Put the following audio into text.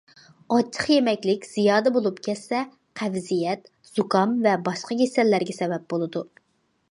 ئاچچىق يېمەكلىك زىيادە بولۇپ كەتسە، قەۋزىيەت، زۇكام ۋە باشقا كېسەللەرگە سەۋەب بولىدۇ.